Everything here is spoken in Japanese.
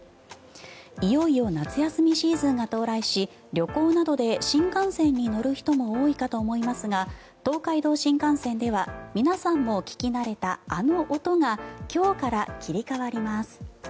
いよいよ夏休みシーズンが到来し旅行などで新幹線に乗る人も多いかと思いますが東海道新幹線では皆さんも聞き慣れたあの音が今日から切り替わります。